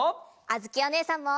あづきおねえさんも。